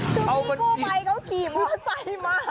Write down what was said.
คือพี่กู้ไพเขากลีบรถไส่มา